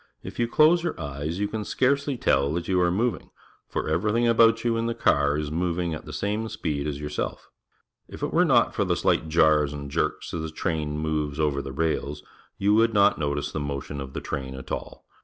If you close your eyes, you can scarcely tell that you are mo\'ing, for every tliing about you in the car is moving at the same speed as yourself. If it were not for the shght jars and jerks as the train moves over the rails, you would not notice the motion of the train at all.